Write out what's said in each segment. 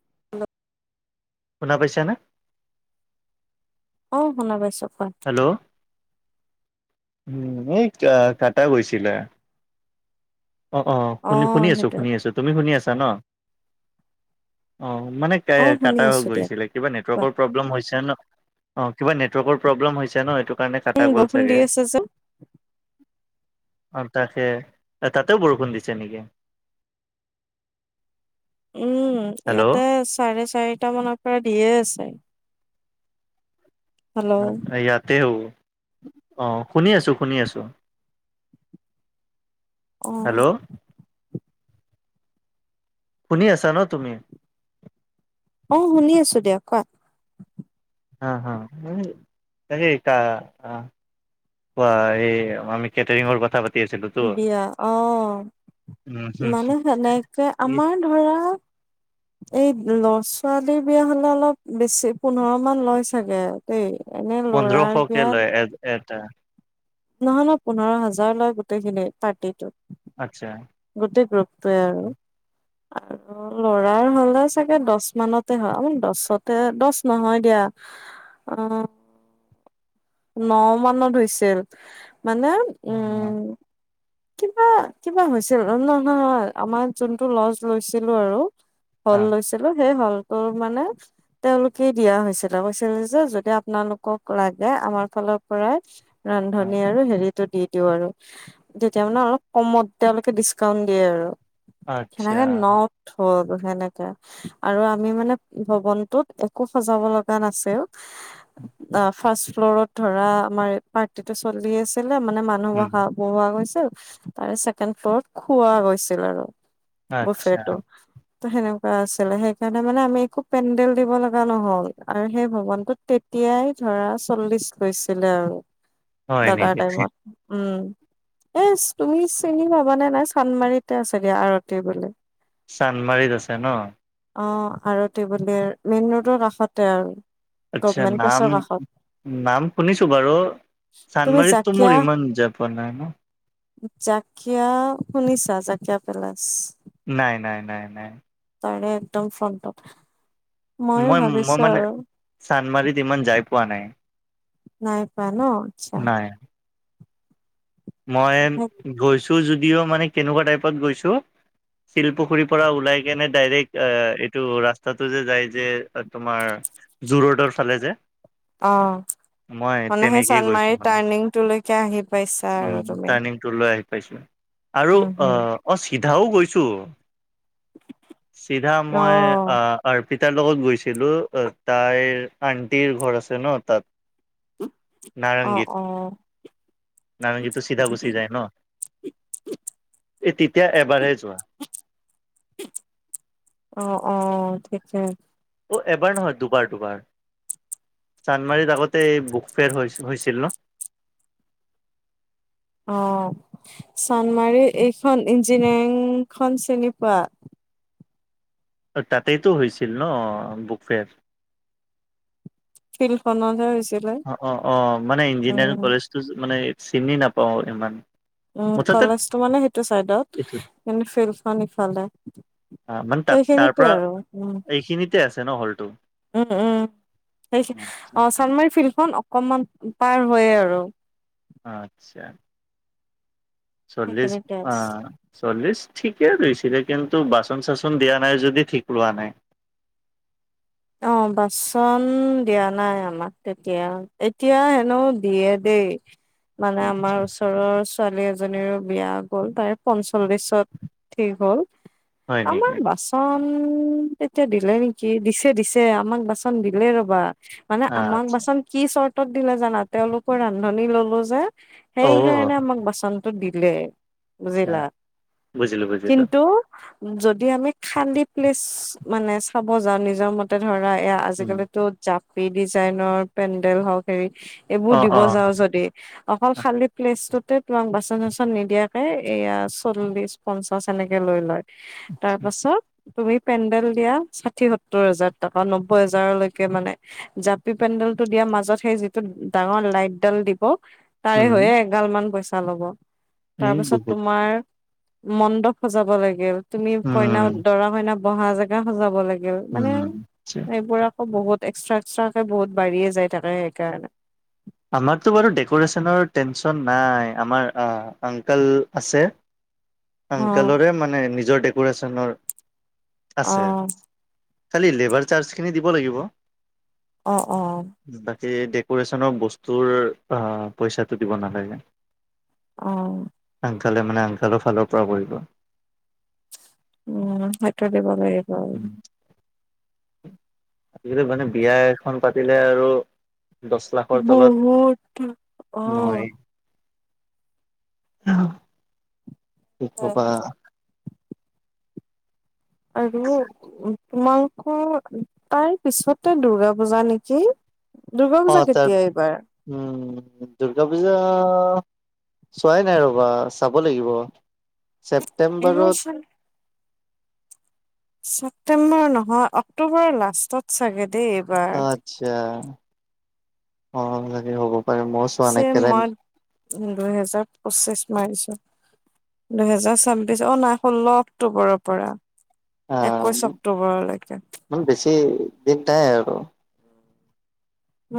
[unintelligible] শুনা পাইছানে? অ, শুনা পাইছো কোৱা। হেল্ল', উম, [unintelligible] কাটা গৈছিলে। অ', অ', শুনি -শুনি আছোঁ -শুনি আছোঁ তুমি শুনি আছা ন, অ, মানে তে অ শুনি কাটাওঁ আছো দিয়া গৈছিলে। কিবা কোৱা। নেটৱৰ্কৰ প্ৰব্লেম হৈছে ন' অ, কিবা নেটৱৰ্কৰ প্ৰব্লেম হৈছে ন' এইটো। সেইকাৰণে কাটা উম গ'ল বৰষুণ দি চাগে আছে যে। অহ, তাকে এ তাতেও বৰষুণ দিছে নেকি? উম, হেল্ল' ইয়াতে চাৰে চাৰিটা মানৰ পৰা দিয়ে আছে। হেল্ল'। অহ, ইয়াতেও অ, শুনি আছোঁ -শুনি আছোঁ। অ হেল্ল', শুনি আছা ন' তুমি? অ, শুনি আছো দিয়া কোৱা। হা- হা [unintelligible] কা - কা কোৱা এই আমি কেটাৰিঙৰ কথা পাত বিয়া অ, উম, মানে সেনেকে আমাৰ ধৰা এই ল' ছোৱালীৰ বিয়া হলে অলপ বেছি পোন্ধৰ মান লয় চাগে। তেই এনে ল'ৰাৰ পোন্ধৰশকে বিয়াত লয় এটা নহয় -নহয় পোন্ধৰ হাজাৰ লয় গোটেইখিনি পাৰ্টিটো। আচ্ছা। গোটেই গ্ৰুপটোৱে আৰু। [inaudible] আৰু ল'ৰাৰ হ'লে চাগে দছ মানতে হয় [unintelligible] দছতে দছ নহয় দিয়া। অ', ন' মানত হৈছিল মানে উম কিবা -কিবা হৈছিল [unintelligible] নহয় আমাৰ যোনটো লজ লৈছিলো আৰু অ হল লৈছিলোঁ সেই হলটোৰ মানে তেওঁলোকে দিয়া হৈছিলে কৈছিলে যে যদি আপোনালোকক লাগে আমাৰ ফালৰ পৰাই অ ৰান্ধনী আৰু হেৰিটো দি দিওঁ আৰু। তেতিয়া মানে অলপ কমত তেওঁলোকে ডিচকাউন্ট দিয়ে আৰু আচ্ছা সেনেকে ন হ'ল [unintelligible] সেনেকে আৰু আমি মানে ভৱনটোত একো সজাব লগা নাছিল অ, ফাৰ্ষ্ট ফ্লৰত ধৰা আমাৰ পাৰ্টিটো চলি আছিলে মানে মাত মানুহ উম মখা বহোৱা গৈছিল, তাৰে ছেকেণ্ড ফ্লত খোৱা গৈছিল আৰু। আচ্ছা বুফেটো। ত' সেনেকুৱা আছিলে সেইকাৰণে মানে আমি একো পেণ্ডেল দিব লগা নহল আৰু সেই ভৱনটোত তেতিয়াই ধৰা চল্লিশ হৈছিলে আৰু। হয় দৰাৰ নেকি টাইমত উম। এচ তুমি চিনি পাবানে নাই চান্দমাৰীতে আছেগে আৰতি বুলি। চানমাৰিত আছে ন? অ আৰতি বুলি মেইন ৰোডৰ কাষতে আও। আচ্ছা নাম নাম শুনিছোঁ বাৰু তুমি চান্দমাৰীতটো জাকিয়া মোৰ ইমান জাপ বনাই ন? জাকিয়া শুনিছা জাকিয়া পেলেচ? নাই- নাই- নাই - নাই তাৰে একদম ফ্ৰণ্টত মই মই মানে চান্দমাৰিত ইমান যাই পোৱা নাই। নাই পোৱা ন? আচ্ছা। নাই মই গৈছো যদিও মানে কেনেকুৱা টাইপত গৈছোঁ, শিলপুখুৰীৰ পৰা ওলাই কেনে ডাইৰেক্ট আহ এইটো ৰাস্তাটো যে যাই যে তোমাৰ- জোৰডৰ ফালে যে, অ', মই তেনেকেই গৈছো মানে লিঙলৈকে আহি পাইছ। উম টাৰ্ণিং টো লৈ আহি পাইছো আৰু উম, অ হম, অ চিধাও গৈছোঁ চিধা মই অ', আ অৰ্পিতাৰ লগত গৈছিলোঁ, তাইৰ আণ্টিৰ ঘৰ আছে ন তাত। অ অ নাৰংগীটো চিধা গুচি যায় ন? এই তেতিয়া এবাৰহে যোৱা। অ অ ঠিকে। অ' এবাৰ নহয় দুবাৰ দুবাৰ। চান্দমাৰিত আগতে এই বুক ফেয়াৰ হৈ হৈছিল ন? অ চানমাৰী এইখন ইঞ্জিনিয়াৰিং খন চিনি পোৱা? তাতেইতো হৈছিল ন বুক ফেয়াৰ? ফিল্দ খনতহে হৈছ অ অ অ মানে ইঞ্জিনিয়াৰিং কলেজটো মানে চিনি নাপাওঁ ইমান। উম মুঠতে কলেজটো মানে সেইটো চাইডত এইটো কিন্তু ফিল্ডখন ইফালে সেইখিনিতে আৰু উম টে আছে ন হলটো উম উম। সেই আচ্ছা। অ চানমাৰী ফিল্ডখন অকনমান পাৰ হৈয়ে আৰু। আচ্ছা চল্লিশ সেইখিনিতে আ আছে চল্লিছ ঠিকে ৰুইছিলে কিন্তু বাচন চাচন দিয়া নাই যদি ঠিক ৰোৱা নাই। অ বাচন দিয়া নাই আমাক তেতিয়া। এতিয়া এনেও দিয়ে দেই, মানে আমাৰ ওচৰৰ ছোৱালী এজনীৰো বিয়া গ'ল, তাই পঞ্চল্লিশত ঠিক হ'ল। হয় আমাৰ নেকি বাচন তেতিয়া দিলে নেকি দিছ। দিছে আমাক বাচন দিলে ৰবা, মানে আমাক আচ্ছা, বাচন কি চৰ্তত দিলে জানা তেওঁলোকৰ ৰান্ধনি ললো যে অ সেই কাৰণে আমাক বাচন টো দিলে আচ্ছা বুজিলা বুজিলো বুজিলো কিন্তু যদি আমি খান্দি প্লেচ মানে চাব যাওঁ নিজৰ মত তে ধৰা এ উম আজিকালিটো জাপি ডিজাইনৰ পেণ্ডেল হওক হেৰি এইবোৰ অ দিব অ যাওঁ যদি অকল খালী ফ্লেছটোতে তোমাক বাচন-চাচন নিদিয়াকে এয়া চল্লিছ পঞ্চাশ সেনেকে লৈ লয় তাৰপাছত তুমি পেণ্ডেল দিয়া ষাথি সত্তৰ হাজাৰ টকা নব্বৈ হাজাৰলৈকে মানে জাপি পেণ্ডেলটো দিয়াৰ মাজত সেই যিটো ডাঙৰ লাইটডাল দিব তাৰে উম হৈয়ে এগাল মান পইচা ল'ব এই তাৰপিছত বহুত তোমাৰ মণ্ডপ সজাব লাগিল, তুমি কইনা, উম দৰা-কইনা বহা জেগা সজাব লাগিল। মানে উম আচ্ছা। এইবোৰ আকৌ বহুত এক্সট্ৰা এক্সট্ৰাকে বহুত বাঢ়িয়ে যায় থাকে সেইকাৰণে আমাৰতো বাৰু ডেক'ৰেশ্যনৰ টেনশ্যন নাই আমাৰ অংকাল আছে অ আংকালৰে মানে নিজৰ ডেক'ৰেশ্যনৰ অ আছে। খালি লেবাৰ চাৰ্জখিনি দিব লাগিব। অ অ বাকী ডেকোৰেশ্যনৰ বস্তুৰ পইচাটো দিব নালাগে। অ আংকালে মানে আংকালৰ ফালৰ পৰাও কৰিব। উম সেইটো দিব লাগিব। উম, আজিকালি মানে বিয়া এখন পাতিলে আৰু দহ লাখৰ তলত বহুত অ নহয়েই। অ', কি ক'বা। আৰু তোমালোকৰ তাৰ পিছতে দুৰ্গাপূজা নেকি? অ দুৰ্গাপূজা তাৰ কেতিয়া এইবাৰ? উম, দুৰ্গাপূজা চোৱাই নাই ৰ'বা চাব লাগিব। ছেপ্টে [unintelligible] ছেপ্টেম্বৰ নহয়, অক্টোবৰৰ লাষ্টত চাগে দেই। এইবাৰ আচ্ছা, অ' হ'ব লাগে হ'ব পাৰে মই চে মই দুইহেজাৰ পঁচিশ মাৰিছোঁ দুহেজাৰ ছাব্বিশ অ' নাই ষোল্ল অক্টোবৰৰ পৰা একৈশ অক্টোবৰলৈকে। ইমান বেছি দিন নাই আৰু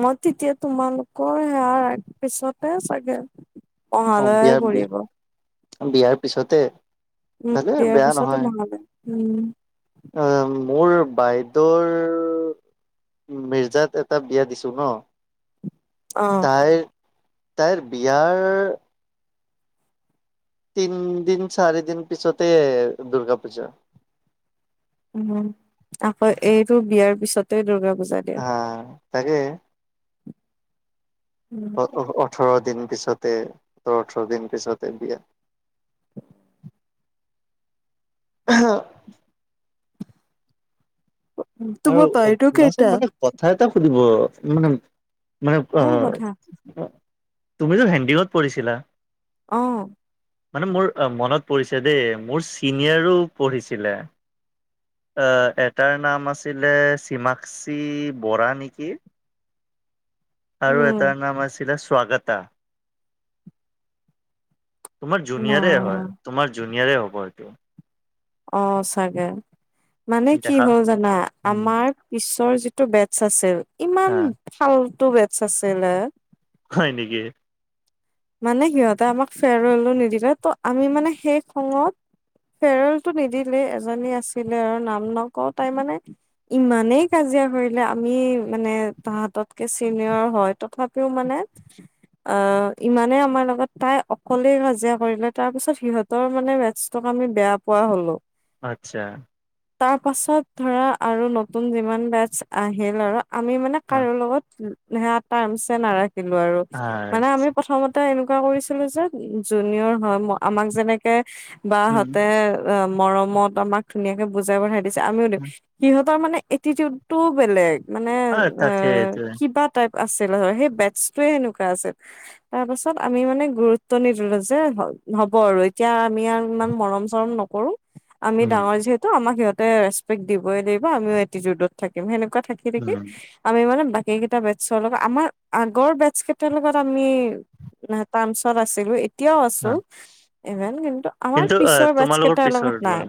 মই তেতিয়া তোমালোকৰ সেয়াৰ পিছতে চাগে অ' মহালয়াই পৰিব বিয়াৰ-বিয়াৰ পিছতে। উম, ভালে বিয়াৰ বেয়া পিছতে নহয় মহালয়া উম। অ' মোৰ বাইদেউৰ মিৰ্জাত এটা বিয়া দিছোঁ হা। অ'। তাইৰ-তাইৰ বিয়াৰ তিনিদিন, চাৰিদিন পিছতে দুৰ্গাপূজা। উম আকৌ এইৰো বিয়াৰ পিছতে দুৰ্গাপূজা। অ' তাকেই। অ'-অ' ওঠৰ দিন পিছতে সোতৰ-ওঠৰ দিন পিছতে বিয়া। [unintelligible] হা আৰু তোমাৰ অ' বাৰ্থডে শুনাচোন কেইটা মানে কথা এটা সুধিম অ' মানে-মানে অ সোধা অ' [unintelligible] তুমিতো হেন্দীকত পঢ়িছিলা? অ' মানে মোৰ মনত পৰিছে দেই মোৰ চিনিয়ৰো পঢ়িছিলে। অ' এটাৰ নাম আছি আছিলে চিমাক্ষী বৰা নেকি? আৰু উম এটাৰ নাম আছিলে স্বাগতা। তোমাৰ না জুনিয়ৰে হয় তোমাৰ জুনিয়ৰে হ'ব এইটো। অ' চাগে মানে কি দেখা হ'ল জানা উম, আমাৰ পিছৰ যিটো বেটছ আছিল ইমান আহ ফাল্টু বেটছ আছিলে। হয় নেকি। মানে সিহঁতে আমাক ফেৰৱেলো নিদিলে ত' আমি মানে সেই খঙত ফেৰৱেলটো নিদিলে এজনী আছিলে আৰু নাম নকওঁ তাই মানে ইমানেই কাজিয়া কৰিলে আমি মানে তাহাতকে চিনিয়ৰ হয় তথাপি কেও মানে আ ইমানে আমাৰ লগত তাই অকলেই কাজিয়া কৰিলে, তাৰ পিছত সিহঁতৰ মানে মেটছটোক আমি বেয়া পোৱা হ'লোঁ। আচ্ছা। তাৰ পাছত ধৰা আৰু নতুন যিমান বেচ আহিল আৰু আমি মানে হা কাৰো লগত, সেয়া তানচে নাৰাখিলো আৰু আৰ মানে আমি প্ৰথমতে এনেকুৱা কৰিছিলোঁ যে, জুনিয়ৰ হয় আমাক যেনেকে বা উম, হতে অ মৰমত আমাক ধুনীয়াকে বুজাই পঠাই দিছে আমিও দিওঁ, সিহঁতৰ মানে এটিটিডটো বেলেগ, মানে আহ অ তাকেইটো কিবা টাইপ আছিল হয়, সেই বেটছ তোয়ে সেনেকুৱা আছিল। তাৰ পাছত আমি মানে গুৰুত্ব নিদিলোঁ যে, হ'ব আৰু এতিয়া আমি আৰু ইমান মৰম-চৰম ন নকৰোঁ। আমি উম, ডাঙৰ যিহেতু, আমাক সিহঁতে ৰেচপেক দিবই লাগিব, আমিও এটিটিউত থাকিম। সেনেকুৱা থাক থাকি থাকি, উম, আমি মানে বাকী কেইটা বেটছৰ লগত আমাৰ আগৰ বেটছ কেইটাৰ লগত আমি ন তানছত আছিলোঁ, এতিয়াও আছোঁ, আহ ইভেন কিন্তু আমাৰ আহ পিছৰ বেটছ তোমালোকৰ কেইটাৰ পিছৰ লগত নাই, লগ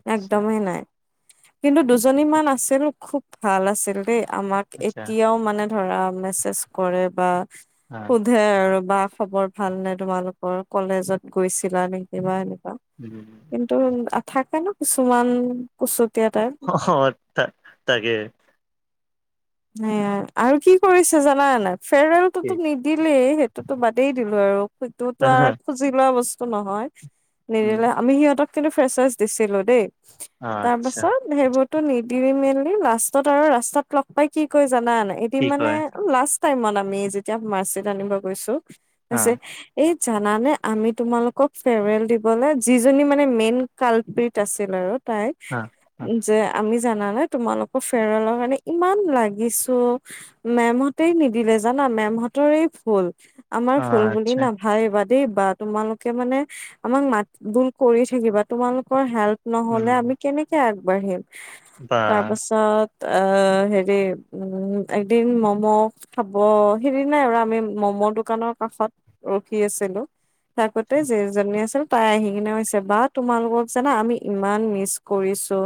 আচ্ছা, একদমেই নাই। কিন্তু দুজনী মান আছিল খুব ভাল আছিল দেই আমাক আচ্ছা এতিয়াও মানে ধৰা মেছেজ কৰে বা আহ সোধে আৰু বা খবৰ ভাল নে তোমালোকৰ? কলেজত গৈছিলা নেকিবা এনেকুৱা। উম। কিন্তু থাকে ন কিছুমান কুচুতীয়া টাইপ। হঁ তা তাকে। সেয়াই আৰু কি কৰিছে জানা নাই? কি ফেৰৱেলততো নি দিলেই, সেইটোতো বাদেই দিলো আৰু সেইটোতো আৰু খুজি লোৱা বস্তু নহয়। উম, নিদিলে আমি সিহঁতক কিন্তু ফ্ৰেচাছ দিছিলো দেই। তাৰ আচ্ছা পাছত সেইবোৰতো নিদি মেলি লাষ্টত আৰু ৰাস্তাত লগ পাই কি ক জানা নাই? এটি কি মানে কয় লাষ্ট টাইমত আমি যেতিয়া মা'ৰ্চিত আনিব গৈছো। হৈছে অ' এই জানানে আমি তোমালোকক ফেৰৱেল দিবলৈ যিজনী মানে মেইন কাল্পট আছিল আৰু তাই অ' অ' যে, আমি জানানে তোমালোকৰ ফেৰৱেলৰ কাৰণে ইমান লাগিছোঁ, মেমহঁতেই নিদিলে জানা মেমহতৰে ভুল। আমাৰ ফুল বুলি আচ্ছা না ভাইবা দেই বা। তোমালোকে মানে আমাক মাত-বোল কৰি থাকিবা, তোমালোকৰ হেল্প নহ'লে উম, আমি কেনেকে আগবাঢ়িম, বা তাৰ পাছত অ হেৰি উ এদিন মম' খাব সেইদিনাই আৰু আমি মম' দোকানৰ কাষত ৰখি আছিলোঁ। থাকোতে যিজনী আছিল তাই আহি কিনে কৈছে বা তোমালোকক জানা আমি ইমান মিচ কৰিছোঁ।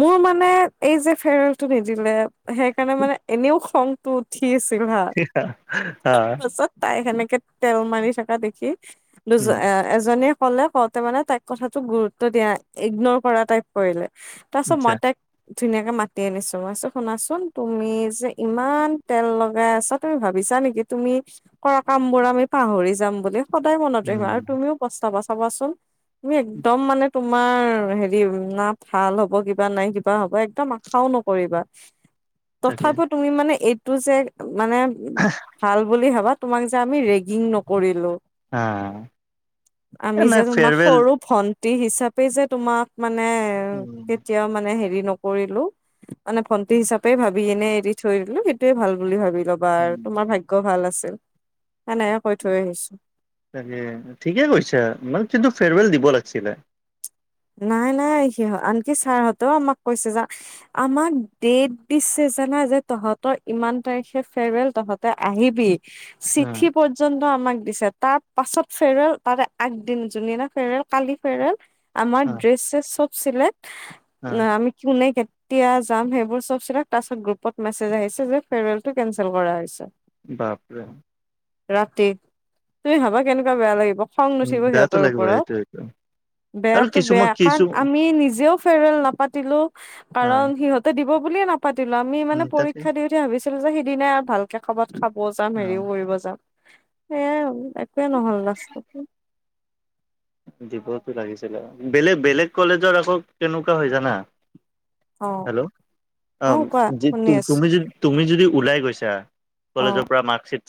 মোৰ মানে এই যে ফেৰেল টো নিদিলে, সেইকাৰণে মানে এনেও খং টো উঠি আছিল হা, অ' তাৰপাছত তাইক সেনেকে তেল মাৰি থকা দেখি দুজ উম, এজনীয়ে ক'লে কওঁতে মানে তাইক কথাতোক গুৰুত্ব দিয়া ইগনৰ কৰা টাইপ কৰিলে। তাৰপাছত আচ্ছা মই তাক ধুনীয়াকে মা তি আনিছোঁ মই চ, শুনাচোন তুমি যে ইমান তেল লগাই আছা তুমি ভাবিছা নেকি তুমি কৰা কাম বোৰ আমি পাহৰি যাম বুলি। সদায় মনত ৰাখিবা আৰু উম, তুমিও পস্তাবা চাবাচোন। তুমি একদম মানে তোমাৰ হেৰি না ভাল হ'ব, কিবা নাই কিবা হ'ব একদম খাও নকৰিবা। তাকে তথাপিও তুমি মানে এইটো যে মানে হ- [unintelligible] ভাল বুলি ভাবা তোমাক যে আমি ৰেগিং নকৰিলো। অ' আমি নাই যে তোমাক ফেয়াৰৱেল সৰু ভন- টি হিচাপে যে তোমাক মানে উম, কেতিয়াও মানে হেৰি নকৰিলো। মানে ভণ্টি হিচাপে ভাবি এনে এৰি থৈ দিলো সেইটোয়ে ভাল বুলি ভাবি ল'বা আৰু তোমাৰ উম। ভা- ক ভাল আছিল। সেনেহে কৈ থৈ আহিছো। তাকে ঠিকে কৈছা। মানে কিন্তু ফেৰৱেল দিব লাগিছিলে। নাই-নাই সিহঁ আনকি ছাৰ হঁতেও আমাক কৈছে যে, আমাক দেট দিছে জানা যে তহঁতৰ ইমান তাৰিখে ফেৰৱেল তহঁতে আহিবি। উম, চিঠি প- ৰ যোনটো আমাক দিছে তাৰ পাছত ফেৰৱেল তাৰে আগদিন যোন দিনা ফেৰৱেল কালি ফেৰৱেল- আমাৰ উম, ড্ৰেচ চেচ চব চিলেক্ট উম, ন আমি কোনে- এতিয়া যাম হে এইবোৰ চব চিলেক্ট তাৰ পাছত গ্ৰুপত মেচেজ আহিছে যে ফেৰৱেলটো কেঞ্চেল কৰা হৈছে। বাপৰে। ৰাতি তুমি ভাবা কেনেকোৱা বেয়া লাগিব খং নুঠিব সিহঁতৰ ওপৰত সেইটোৱে বেয়াতো বেয়া কাৰণ আমি নিজেও ফেৰৱেল নাপাতিলো অ কাৰণ সিহঁ তে দিব বুলিয়ে নাপাতিলো আমি মানে উম তাকে পৰীক্ষা দি উঠি ভাবিছিলো যে সেইদিনা ভাল- কে কবাত খাবও যাম অ হেৰিও কৰিব যাম সেইয়াই হ'ল একোৱে নহল লাষ্টত। দিবতো লাগিছিলে বেলেগ বেলেগ কলেজত আকৌ কেনেকোৱা হয় জানা- অ হেল্ল' অ কোৱা যি শুনি আছো তুমি যোন- তুমি যদি ওলাই গৈছা অ কলেজৰ পৰা মাৰ্কশ্বিট